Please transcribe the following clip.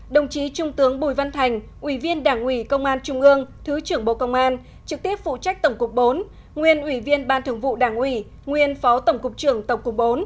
hai đồng chí trung tướng bùi văn thành ủy viên đảng ủy công an trung ương thứ trưởng bộ công an trực tiếp phụ trách tổng cục bốn nguyên ủy viên ban thường vụ đảng ủy nguyên phó tổng cục trưởng tổng cục bốn